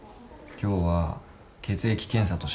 今日は血液検査とＣＴ。